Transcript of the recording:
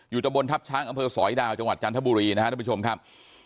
ตะบนทัพช้างอำเภอสอยดาวจังหวัดจันทบุรีนะครับทุกผู้ชมครับ